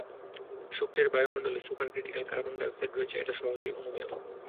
শুক্রের বায়ূমন্ডলে super critical carbon dioxide রয়েছে এটা সহজেই অনুমেয়।